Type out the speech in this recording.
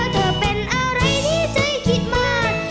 เธอเป็นอะไรที่ใจคิดมาก